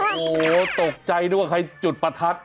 โอ้โหตกใจนึกว่าใครจุดประทัด